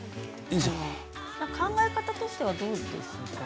考え方としてはどうですか。